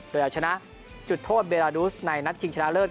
โดยเอาชนะจุดโทษเบราดูสในนัดชิงชนะเลิศ